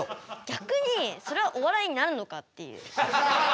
逆にそれはお笑いになるのかっていう。